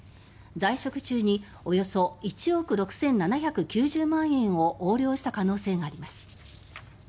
在職中におよそ１億６７９０万円を横領した可能性があります。